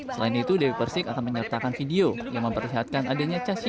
selain itu dewi persik akan menyertakan video yang memperlihatkan adanya casian dan makian